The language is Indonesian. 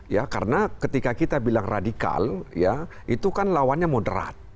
ya karena ketika kita bilang radikal ya itu kan lawannya moderat